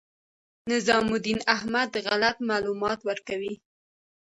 نظام الدین احمد غلط معلومات ورکوي.